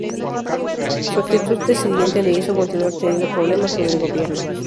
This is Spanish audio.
Su actitud disidente le hizo continuar teniendo problemas con el gobierno.